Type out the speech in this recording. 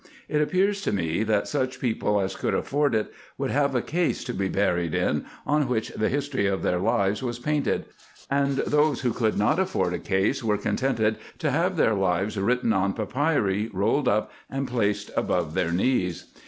It appears to me, that such people as could afford it would have a case to be buried in, on which the history of their lives was painted : and those who could not afford a case, were contented to have their lives written on papyri, rolled up, and placed above their knees.